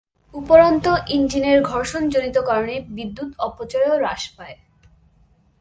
উপরন্তু, ইঞ্জিনের ঘর্ষণজনিত কারণে বিদ্যুৎ অপচয়ও হ্রাস পায়।